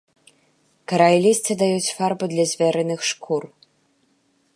Кара і лісце даюць фарбу для звярыных шкур.